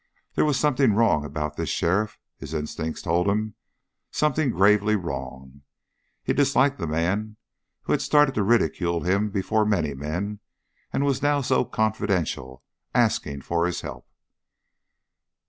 There was something wrong about this sheriff, his instincts told him something gravely wrong. He disliked the man who had started to ridicule him before many men and was now so confidential, asking his help.